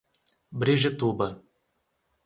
Brejetuba